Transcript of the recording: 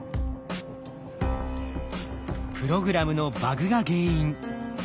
プログラムのバグが原因。